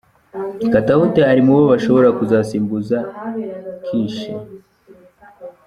Katawuti ari mu bo bashobora kuzasimbuza Kishi.